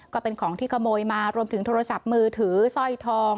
ก็เป็นของที่ขโมยมารวมถึงโทรศัพท์มือถือสร้อยทอง